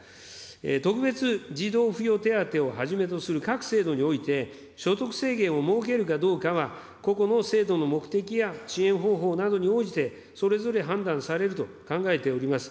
特別児童扶養手当をはじめとする各制度において、所得制限を設けるかどうかは、個々の制度の目的や支援方法などに応じて、それぞれ判断されると考えております。